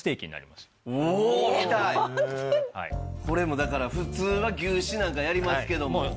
これもだから普通は牛脂なんかやりますけども。